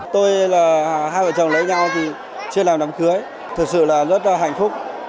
tôi là hai vợ chồng lấy nhau thì chưa làm đám cưới thực sự là rất là hạnh phúc